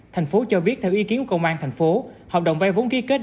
thành phố cho biết theo ý kiến của công an thành phố hợp đồng vay vốn ký kết